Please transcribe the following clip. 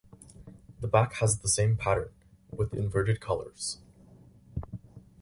The back has the same pattern, with inverted colours.